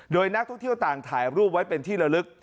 โดยนักท่องเที่ยวต่างถ่ายรูปไว้เป็นที่ละลึก